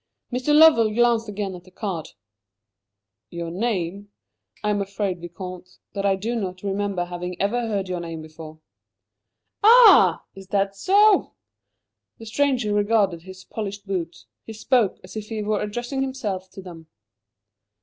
Mr. Lovell glanced again at the card. "Your name? I am afraid, Vicomte, that I do not remember having ever heard your name before." "Ah! Is that so?" The stranger regarded his polished boots. He spoke as if he were addressing himself to them.